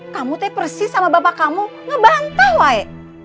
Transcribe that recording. kamu itu persis sama bapak kamu ngebantah wai